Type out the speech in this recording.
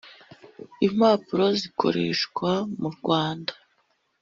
impapuro zikoreshwa mu Rwanda